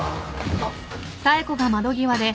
あっ。